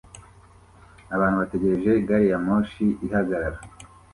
Abantu bategereje gari ya moshi ihagarara